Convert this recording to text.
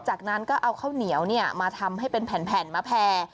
จากนั้นก็เอาข้าวเหนียวมาทำให้เป็นแผ่นมาแพร่